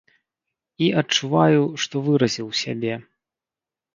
І адчуваю, што выразіў сябе.